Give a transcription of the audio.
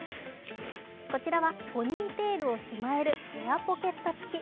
こちらはポニーテールをしまえるヘアポケット付き。